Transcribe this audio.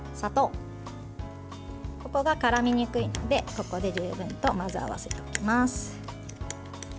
ここが、からみにくいのでここで十分と混ぜ合わせておきます。